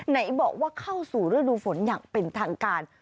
ไหนบอกว่าเข้าสู่ฤดูฝนอย่างเป็นทางการ